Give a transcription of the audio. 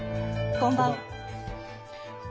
こんばんは。